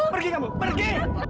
pergi kamu pergi